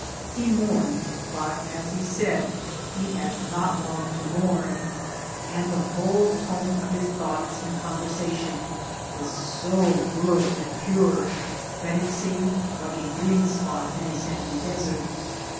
He mourned, but, as he said, he had net long to mourn ; and the whole tone of his thoughts and eoBi* versation was so good and pure, that it seemed like a green spot in a sandy desert.